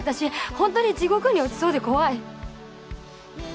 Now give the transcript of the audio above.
ほんとに地獄に落ちそうで怖い。